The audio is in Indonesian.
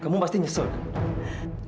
kamu pasti nyesel kan